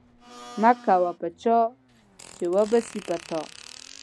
مه کوه په چا، چي و به سي په تا.